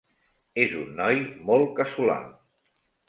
És un noi molt casolà.